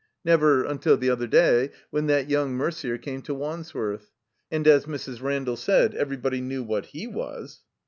Never, until the other day, when that young Merder came to Wandsworth. And, as Mrs. Randall said, everybody knew what he was.